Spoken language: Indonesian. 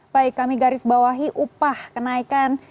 baik kami garis bawahi upah kenaikan